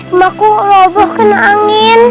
emakku roboh kena angin